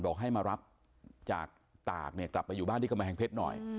บอกให้มารับจากตากเนี่ยออกมาอยู่บ้านที่เขมรแห่งเพชรหน่อย